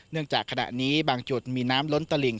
จากขณะนี้บางจุดมีน้ำล้นตลิ่ง